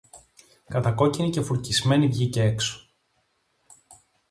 Κατακόκκινη και φουρκισμένη βγήκε έξω.